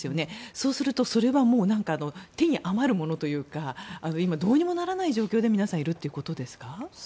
そうするとそれは手に余るものというか今、どうにもならない状況でいるということですか？